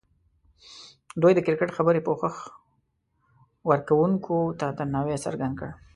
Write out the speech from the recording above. دوی د کرکټ خبري پوښښ ورکوونکو ته درناوی څرګند کړ.